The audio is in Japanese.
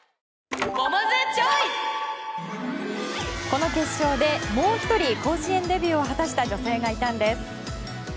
この決勝で、もう１人甲子園デビューを果たした女性がいたんです。